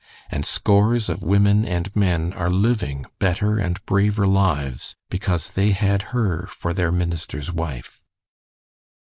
And scores of women and men are living better and braver lives because they had her for their minister's wife.